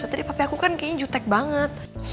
tadi pakai aku kan kayaknya jutek banget